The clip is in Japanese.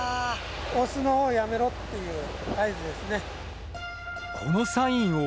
押すのをやめろっていう合図ですね。